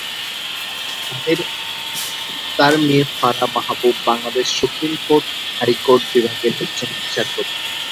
তার মেয়ে ফারাহ মাহবুব বাংলাদেশ সুপ্রিম কোর্টের হাইকোর্ট বিভাগের একজন বিচারপতি।